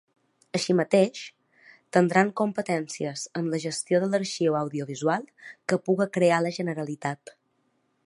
Així mateix, tindrà competències en la gestió de l'arxiu audiovisual que puga crear la Generalitat.